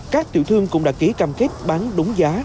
các tiểu thương cũng đã ký cam kết bán đúng giá